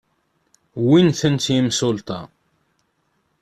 Wwin-tent yimsulta.